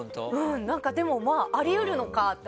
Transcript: でも、あり得るのかって。